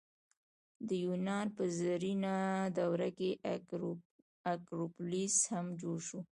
د یونان په زرینه دوره کې اکروپولیس هم جوړ شو.